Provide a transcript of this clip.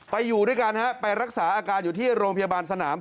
อยู่ด้วยกันฮะไปรักษาอาการอยู่ที่โรงพยาบาลสนาม